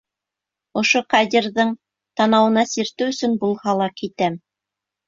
Ошо Ҡадирҙың танауына сиртеү өсөн булһа ла китәм!